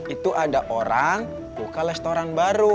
itu ada orang buka restoran baru